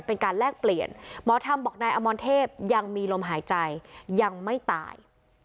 เป็นการแลกเปลี่ยนหมอธรรมบอกนายอมรเทพยังมีลมหายใจยังไม่ตาย